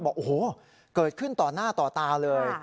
บอกโอ้โหเกิดขึ้นต่อหน้าต่อตาเลย